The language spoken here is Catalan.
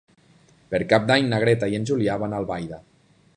Per Cap d'Any na Greta i en Julià van a Albaida.